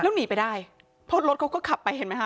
แล้วหนีไปได้เพราะรถเขาก็ขับไปเห็นไหมค